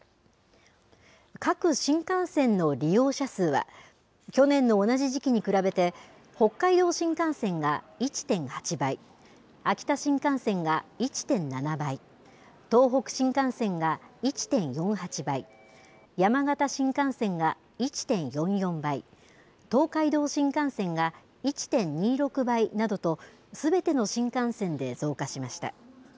各新幹線の利用者数は、去年の同じ時期に比べて、北海道新幹線が１．８倍、秋田新幹線が１．７倍、東北新幹線が１．４８倍、山形新幹線が１．４４倍、東海道新幹線が１．２６倍などと、すべての新幹線で増加しました。